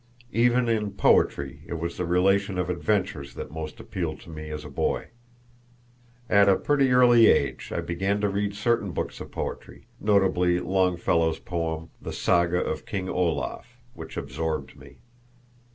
Even in poetry it was the relation of adventures that most appealed to me as a boy. At a pretty early age I began to read certain books of poetry, notably Longfellow's poem, "The Saga of King Olaf," which absorbed me.